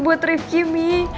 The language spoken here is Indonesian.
buat rifki mi